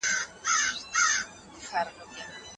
ټولنپوهان څلور ډوله پوښتنې مطرح کوي.